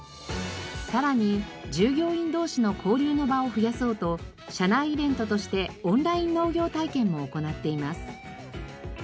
さらに従業員同士の交流の場を増やそうと社内イベントとしてオンライン農業体験も行っています。